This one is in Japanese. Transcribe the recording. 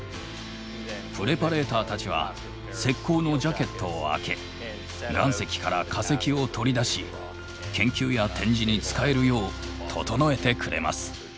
プレパレーターたちは石こうのジャケットを開け岩石から化石を取り出し研究や展示に使えるよう整えてくれます。